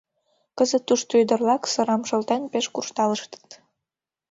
Кызыт тушто ӱдыр-влак сырам шолтен пеш куржталыштыт.